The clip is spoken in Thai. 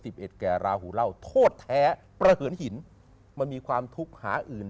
เอ็ดแก่ราหูเล่าโทษแท้ประเหินหินมันมีความทุกข์หาอื่น